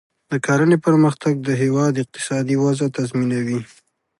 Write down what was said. د کرنې پرمختګ د هیواد اقتصادي وده تضمینوي.